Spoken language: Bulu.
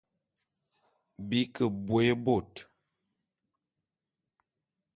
Bi ke bôé bôt.